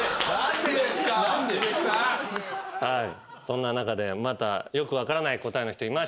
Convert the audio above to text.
そんな中でまたよく分からない答えの人いました。